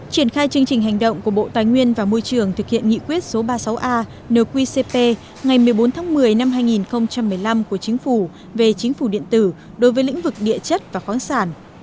triển khai chương trình hành động của bộ tài nguyên và môi trường thực hiện nghị quyết số ba mươi sáu a nqcp ngày một mươi bốn tháng một mươi năm hai nghìn một mươi năm của chính phủ về chính phủ điện tử đối với lĩnh vực địa chất và khoáng sản